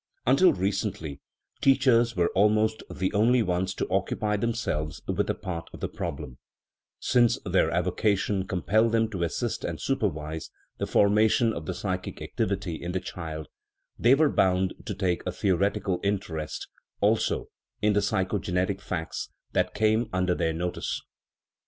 Until recently teachers were almost the only 132 THE EMBRYOLOGY OF THE SOUL ones to occupy themselves with a part of the problem ; since their avocation compelled them to assist and su pervise the formation of the psychic activity in the child, they were bound to take a theoretical interest, also, in the psychogenetic facts that came under their notice.